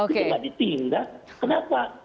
tidak ditindak kenapa